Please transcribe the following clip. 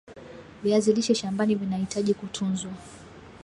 viazi lishe shambani vinahitaji kutunzwa